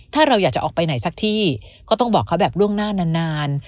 ถ้าเราอยากจะออกไปไหนสักที่ก็ต้องบอกเขาแบบล่วงหน้านาน